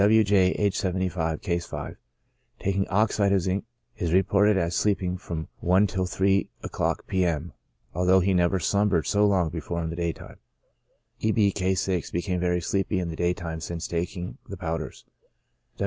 W. J —, aged 75, (Case 5,) tak ing oxide of zinc, is reported as sleeping from one till three o'clock, p.m., although he had never slumbered so long be fore in the day time. E. B —, (Case 6,) became very sleepy in the day time since taking the powders.